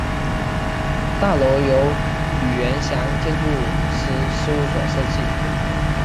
大楼由吕元祥建筑师事务所设计。